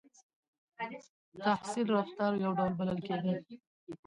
• تحصیل د رفتار یو ډول بلل کېده.